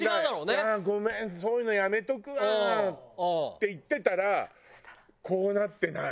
「ああごめんそういうのやめておくわ」って言ってたらこうなってない。